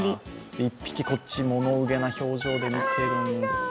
一匹こっちを物憂げな表情で見てるんですね。